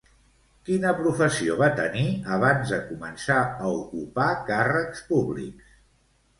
Quina professió va tenir abans de començar a ocupar càrrecs públics?